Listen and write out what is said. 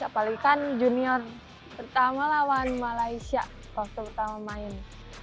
apalagi kan junior pertama lawan malaysia waktu pertama main